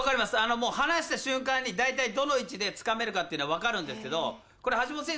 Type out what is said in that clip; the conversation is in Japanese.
もう離した瞬間に、大体どの位置でつかめるかっていうのは分かるんですけど、これ橋本選手